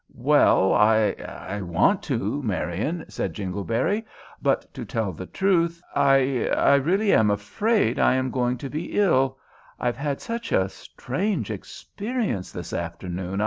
"Well, I I want to, Marian," said Jingleberry; "but, to tell the truth, I I really am afraid I am going to be ill; I've had such a strange experience this afternoon.